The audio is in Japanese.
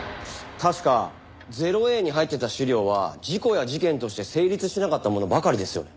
確か０−Ａに入ってた資料は事故や事件として成立しなかったものばかりですよね。